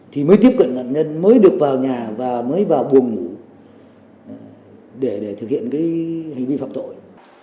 thì mới tiếp cận nạn nhân mới được vào nhà và mới vào buồng ngủ để thực hiện cái hành vi phạm tội